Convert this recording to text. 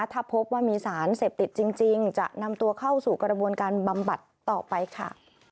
ถ้าพบว่ามีสารเสพติดจริงจะนำตัวเข้าสู่กระบวนการบำบัดต่อไปค่ะ